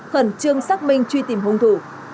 hẳn chương xác minh truy tìm hùng thủ